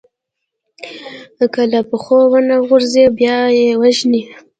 که له پښو ونه غورځي، بیا يې وژني.